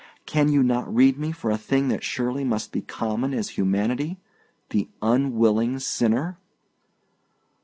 Can you not read me for a thing that surely must be common as humanity the unwilling sinner?"